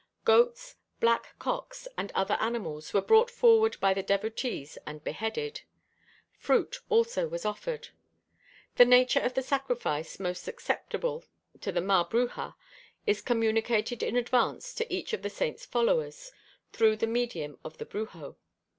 Goats, black cocks and other animals were brought forward by the devotees and beheaded. Fruit also was offered. The nature of the sacrifice most acceptable to the Mabruja is communicated in advance to each of the Saint's followers, through the medium of the Brujo.